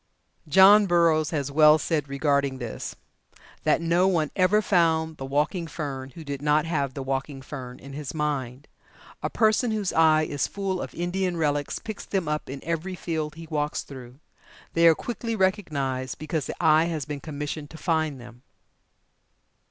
'" John Burroughs has well said regarding this that "No one ever found the walking fern who did not have the walking fern in his mind. A person whose eye is full of Indian relics picks them up in every field he walks through. They are quickly recognized because the eye has been commissioned to find them."